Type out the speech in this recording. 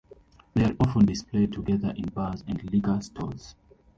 They are often displayed together in bars and liquor stores.